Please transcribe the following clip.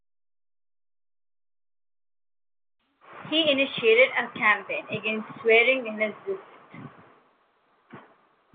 He initiated a campaign against swearing in his district.